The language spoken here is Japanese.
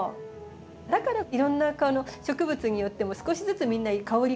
だからいろんな植物によっても少しずつみんな香りが違うよね